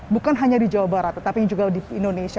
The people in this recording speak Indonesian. bukan hanya di jawa barat tetapi juga di indonesia